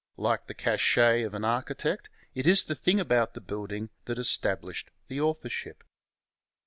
Like the cachet of an architect, it is the thing about the building that established the authorship.